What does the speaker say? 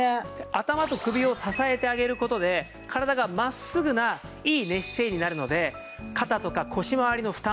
頭と首を支えてあげる事で体が真っすぐないい寝姿勢になるので肩とか腰まわりの負担